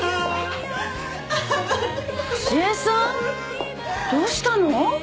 ・良恵さん？どうしたの？